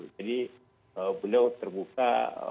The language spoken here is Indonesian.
jadi beliau terbuka